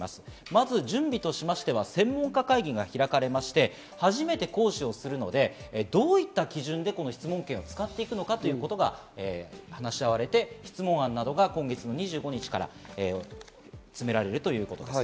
まず準備としては専門家会議が開かれまして、初めて行使をするので、どういった基準で質問権を使っていくのかということが話し合われて質問案などが今月２５日から詰められるということです。